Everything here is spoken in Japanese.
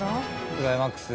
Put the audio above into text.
クライマックス。